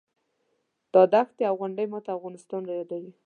دا دښتې او غونډۍ ماته افغانستان رایادوي.